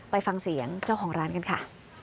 ไปฟังเสียงเจ้าของร้านกันค่ะ